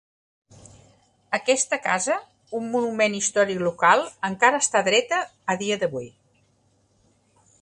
Aquesta casa, un monument històric local, encara està dreta a dia d'avui.